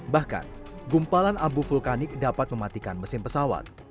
bahkan gumpalan abu vulkanik dapat mematikan mesin pesawat